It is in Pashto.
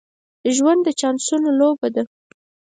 ژوند د چانسونو لوبه ده.